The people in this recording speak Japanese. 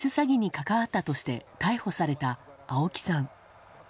３年前特殊詐欺に関わったとして逮捕された青木さん。